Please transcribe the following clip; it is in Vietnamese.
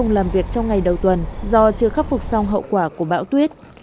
làm việc trong ngày đầu tuần do chưa khắc phục xong hậu quả của bão tuyết